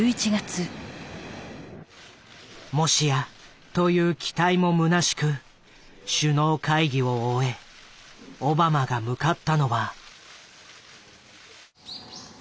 もしやという期待もむなしく首脳会議を終えオバマが向かったのは鎌倉。